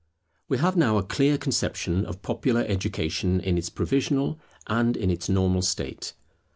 We have now a clear conception of popular education in its provisional, and in its normal state.